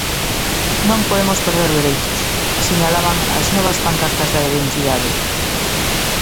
"Non podemos perder dereitos" sinalaban as novas pancartas da entidade.